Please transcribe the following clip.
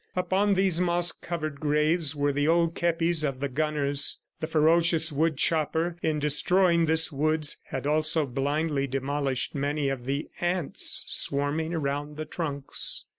Upon these moss covered graves were the old kepis of the gunners. The ferocious wood chopper, in destroying this woods, had also blindly demolished many of the ants swarming around the trunks.